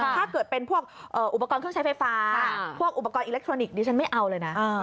ถ้าเกิดเป็นพวกอุปกรณ์เครื่องใช้ไฟฟ้าพวกอุปกรณ์อิเล็กทรอนิกส์ดิฉันไม่เอาเลยนะ